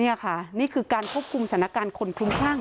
นี่ค่ะนี่คือการควบคุมสถานการณ์คนคลุ้มคลั่ง